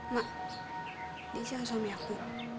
mak ini siapa suami aku